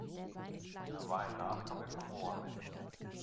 Er war ein Nachkomme von Mohammed.